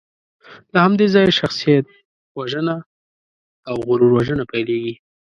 له همدې ځایه شخصیتوژنه او غرور وژنه پیلېږي.